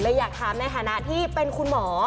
อยากถามในฐานะที่เป็นคุณหมอ